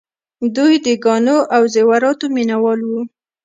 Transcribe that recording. دوی د ګاڼو او زیوراتو مینه وال وو